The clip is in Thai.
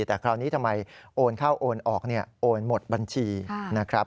แต่คราวนี้ทำไมโอนเข้าโอนออกเนี่ยโอนหมดบัญชีนะครับ